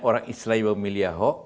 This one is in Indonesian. orang islam memilih ahok